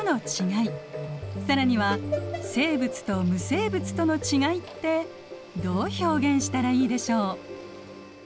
更には生物と無生物とのちがいってどう表現したらいいでしょう？